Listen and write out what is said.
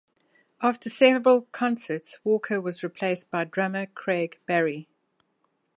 After several concerts, Walker was replaced by drummer Craig Barrie.